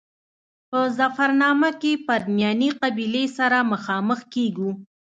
په ظفرنامه کې پرنیاني قبیلې سره مخامخ کېږو.